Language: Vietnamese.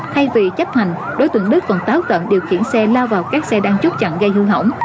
thay vì chấp hành đối tượng đức còn táo tận điều khiển xe lao vào các xe đang chốt chặn gây hư hỏng